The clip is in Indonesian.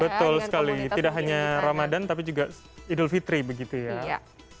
betul sekali tidak hanya ramadan tapi juga idul fitri begitu ya